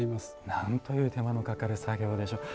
なんという手間のかかる作業でしょう。